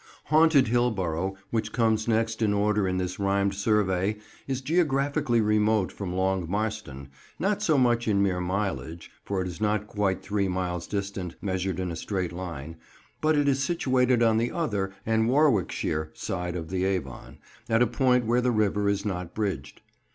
"HAUNTED Hillborough," which comes next in order in this rhymed survey, is geographically remote from Long Marston, not so much in mere mileage, for it is not quite three miles distant, measured in a straight line, but it is situated on the other, and Warwickshire, side of the Avon, at a point where the river is not bridged.